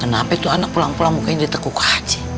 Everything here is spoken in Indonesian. kenapa itu anak pulang pulang mungkin ditekuk aja